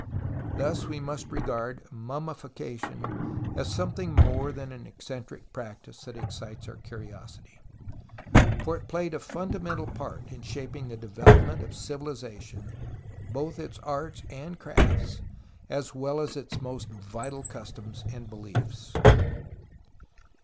Thus we must regard mummification as something more than an eccentric practice that excites our curiosity. For it played a fundamental part in shaping the development of civilization, both its arts and crafts, as well as its most vital customs and beliefs.